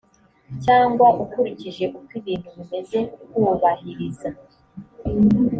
cyangwa ukurikije uko ibintu bimeze kubahiriza